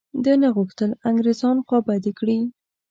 ده نه غوښتل انګرېزان خوابدي کړي.